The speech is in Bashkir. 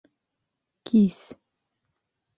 Кис.